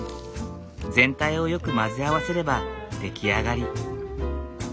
全体をよく混ぜ合わせれば出来上がり。